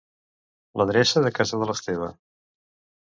L'adreça de casa de l'Esteve.